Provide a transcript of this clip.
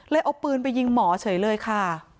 เอาปืนไปยิงหมอเฉยเลยค่ะ